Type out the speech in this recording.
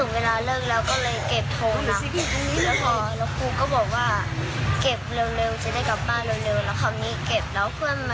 ครูก็บอกว่าถึงเวลาเลิกแล้วก็เลยเก็บทงหนัก